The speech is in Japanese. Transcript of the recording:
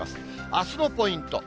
あすのポイント。